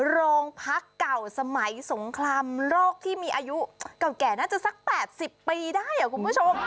โรงพักเก่าสมัยสงครามโรคที่มีอายุเก่าแก่น่าจะสัก๘๐ปีได้คุณผู้ชม